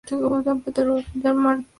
Roth, Peter M. and Winter, Martin.